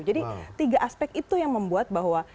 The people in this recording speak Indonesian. jadi tiga aspek itu yang membuat bahwa